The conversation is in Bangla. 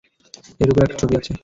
এর উপর একটা ছবি আছে।